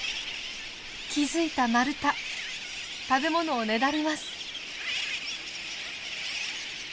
気付いたマルタ食べ物をねだります。